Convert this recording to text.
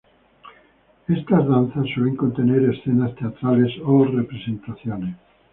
Estas danzas suelen contener escenas teatrales o representaciones.